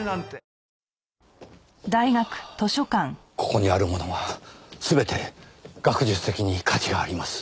ここにあるものは全て学術的に価値があります。